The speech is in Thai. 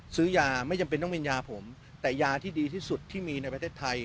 ซื้อยาไม่จำเป็นต้องเป็นยาผมแต่ยาที่ดีที่สุดที่มีในประเทศไทย